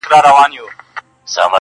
د ناروا زوی نه یم~